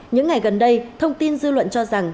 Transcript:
những ngày gần đây thông tin dư luận cho rằng